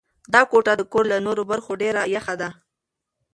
دا کوټه د کور له نورو برخو ډېره یخه ده.